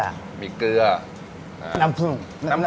น้ำพื้ง